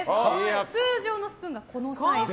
通常のスプーンがこのサイズ。